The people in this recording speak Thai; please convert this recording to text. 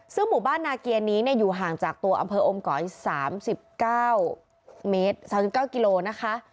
ซึ่งหมู่บ้านนาเกียรนี้อยู่ห่างจากตัวอำเภออมก๋อย๓๙๓๙กิโลนะคะ